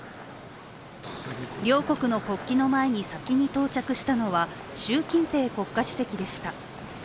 両国の国旗の前に先に到着したのは習近平国家主席でした。